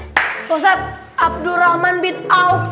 bapak ustaz abdul rahman bin auf